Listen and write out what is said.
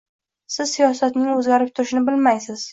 Siz siyosatning o‘zgarib turishini bilmaysiz